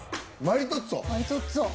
マリトッツォ？